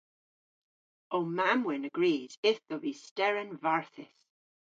Ow mamm-wynn a grys yth ov vy steren varthys.